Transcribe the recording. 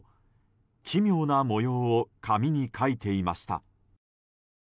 奇妙な模様を紙に描いていました。